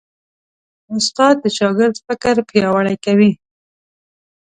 استاد د شاګرد فکر پیاوړی کوي.